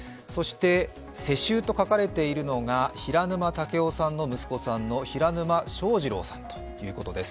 世襲と書かれているのが平沼赳夫さんの息子さん、平沼正二郎さんということです。